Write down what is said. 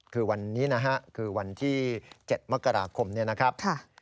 คือวันนี้นะฮะคือวันที่๗มกราคมเนี่ยนะครับ